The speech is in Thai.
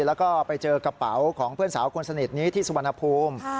แล้วก็ไปเจอกระเป๋าของเพื่อนสาวคนสนิทนี้ที่สุวรรณภูมิ